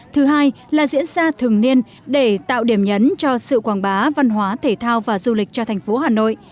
thứ hai là diễn ra thường niên để tạo điểm nhấn cho sự quảng bá văn hóa thể thao và du lịch cho thành phố hà nội